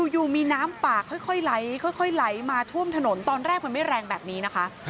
อยู่มีน้ำป่าค่อยไหลค่อยไหลมาท่วมถนนตอนแรกมันไม่แรงแบบนี้นะคะ